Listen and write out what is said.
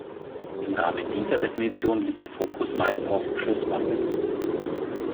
Im Rahmen dieser Definition liegt der Fokus meist auf Schusswaffen.